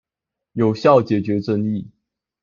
有效解決爭議